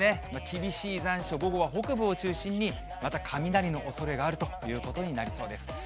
厳しい残暑、午後は北部を中心にまた雷のおそれがあるということになりそうです。